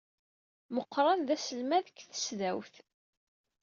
Moqran d aselmad deg tesdawt.